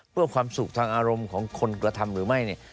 เพื่อความสุขทางอารมณ์ของคนกระทำหรือไม่เนี่ย